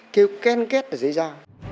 kêu khen kết ở dưới da